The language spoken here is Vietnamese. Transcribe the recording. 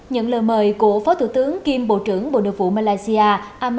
những lời mời của phó thủ tướng kim bộ trưởng bộ nội vụ malaysia